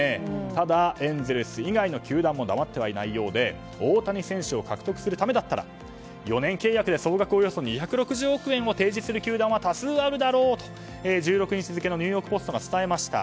ただ、エンゼルス以外の球団も黙ってはいないようで大谷選手を獲得するためだったら４年契約で総額およそ２６０億円を提示する球団は多数あるだろうと１６日付のニューヨーク・ポストが伝えました。